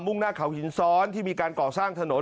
่งหน้าเขาหินซ้อนที่มีการก่อสร้างถนน